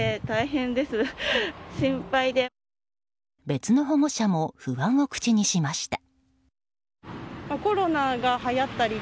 別の保護者も不安を口にしました。